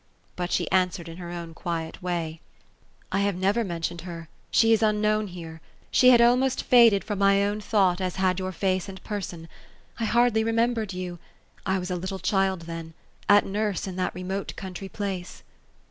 But she answered in her own quiet way, " I have never niou* 242 OPHELIA ; Cloned her ; she is unknown here. She had almost faded from m j own thought, as had jour face and person. I hardly remembered you. 1 was a little child then ; at nurse, in that remote country place."